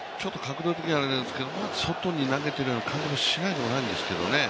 ちょっと角度的にあれなんですけど、外に投げている気がしないでもないんですけどね。